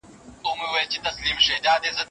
د خوب خونه له روښانه رڼا وساتئ.